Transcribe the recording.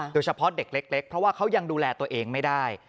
โดยเฉพาะเด็กเล็กเพราะว่าเขายังดูแลตัวเองไม่ได้